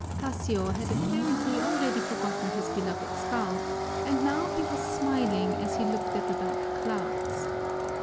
Tasio had apparently already forgotten his beloved skull, and now he was smiling as he looked at the dark clouds.